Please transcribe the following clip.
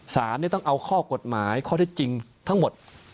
สารต้องเอาข้อกฎหมายข้อที่จริงทั้งหมด